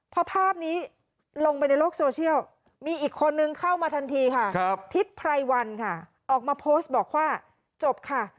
พอภาพนี้ลงไปในโลกโซเชียลมีอีกคนนึงเข้ามาทันทีค่ะทิศไพรวันค่ะออกมาโพสต์บอกว่าจบค่ะ